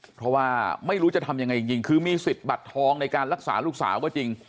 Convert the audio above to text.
เพราะว่าไม่รู้จะทำยังไงจริงคือมีสิทธิ์บัตรทองในการรักษาลูกสาวก็จริง